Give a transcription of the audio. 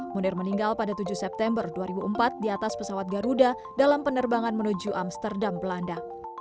munir meninggal pada tujuh september dua ribu empat di atas pesawat garuda dalam penerbangan menuju amsterdam belanda